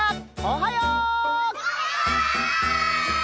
おはよう！